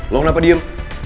lo kenapa diem